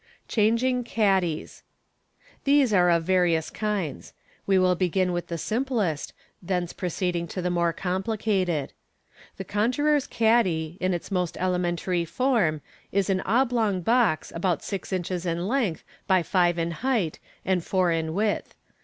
Changing Caddies. — These are of various kinds. We will begin with the simplest, thence proceeding to the more complicated. The conjuror's caddy, in its most elementary form, is an obiong box, about six inches in length by five in height and four in width.